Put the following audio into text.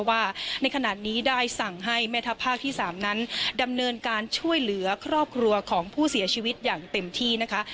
ว่าในขณะนี้ได้สั่งให้แม่ทัพภาคที่๓นั้นดำเนินการช่วยเหลือครอบครัวของผู้เสียชีวิตอย่างเต็มที่นะคะ